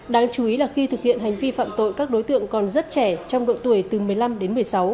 đáng chú ý là khi thực hiện hành vi phạm tội các đối tượng còn rất trẻ trong độ tuổi từ một mươi năm đến một mươi sáu